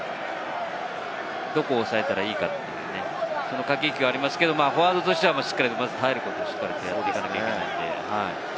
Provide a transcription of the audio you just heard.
どこを抑えたらいいかっていうね、その駆け引きはありますけれど、フォワードとしてはしっかり耐えることをやっていかなきゃいけないので。